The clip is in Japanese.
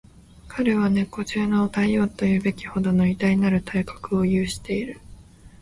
彼は猫中の大王とも云うべきほどの偉大なる体格を有している